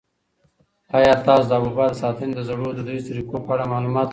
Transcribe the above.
آیا تاسو د حبوباتو د ساتنې د زړو دودیزو طریقو په اړه معلومات لرئ؟